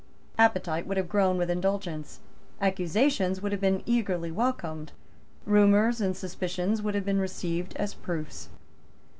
Appetite would have grown with indulgence. Accusations would have been eagerly welcomed. Rumours and suspicions would have been received as proofs.